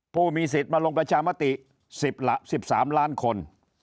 ผู้มีสิทธิ์มาลงประชามติ๑๓ล้านคน